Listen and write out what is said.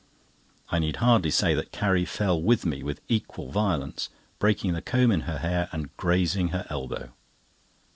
I needly hardly say that Carrie fell with me with equal violence, breaking the comb in her hair and grazing her elbow.